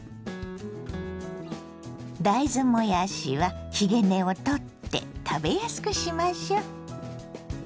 大豆もやしはひげ根を取って食べやすくしましょ。